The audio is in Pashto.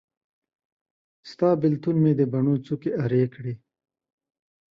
ستا بیلتون مې د بڼو څوکي ارې کړې